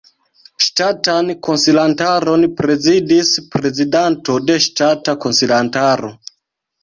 Ŝtatan Konsilantaron prezidis Prezidanto de Ŝtata Konsilantaro.